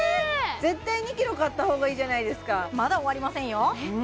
絶対２ｋｇ買った方がいいじゃないですかまだ終わりませんよ